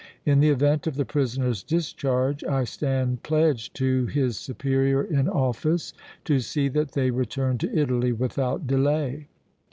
In the event of the prisoners' discharge I stand pledged to his superior in office to see that they return to Italy without delay."